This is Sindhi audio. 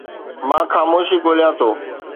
مان خاموشي ڳوليان ٿو